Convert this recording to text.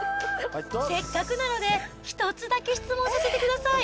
せっかくなので、一つだけ質問させてください。